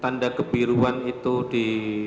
tanda kebiruan itu di